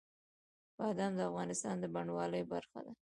بادام د افغانستان د بڼوالۍ برخه ده.